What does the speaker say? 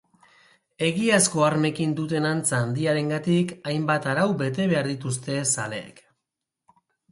Egiazko armekin duten antza handiarengatik hainbat arau bete behar dituzte zaleek.